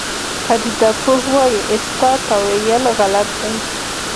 پدیده پوه وایي ستا تاویل غلط دی.